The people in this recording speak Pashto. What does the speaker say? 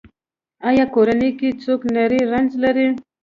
ایا کورنۍ کې څوک نری رنځ لري؟